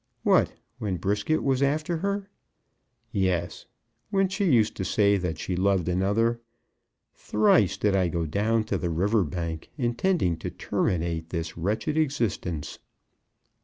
"What; when Brisket was after her?" "Yes; when she used to say that she loved another. Thrice did I go down to the river bank, intending to terminate this wretched existence."